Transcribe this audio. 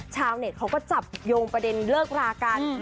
ชาวเน็ตเขาก็จับโยงประเด็นเลิกรากัน